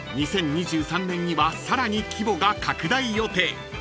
［２０２３年にはさらに規模が拡大予定］